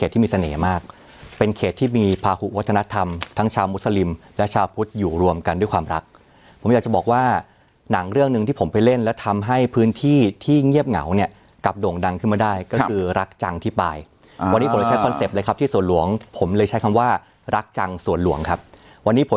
ที่มีเสน่ห์มากเป็นเขตที่มีภาหุวัฒนธรรมทั้งชาวมุสลิมและชาวพุทธอยู่รวมกันด้วยความรักผมอยากจะบอกว่าหนังเรื่องหนึ่งที่ผมไปเล่นแล้วทำให้พื้นที่ที่เงียบเหงาเนี่ยกลับโด่งดังขึ้นมาได้ก็คือรักจังที่ปลายวันนี้ผมจะใช้คอนเซ็ปต์เลยครับที่สวนหลวงผมเลยใช้คำว่ารักจังสวนหลวงครับวันนี้ผล